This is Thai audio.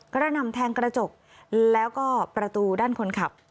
กระหน่ำแทงกระจกแล้วก็ประตูด้านคนขับ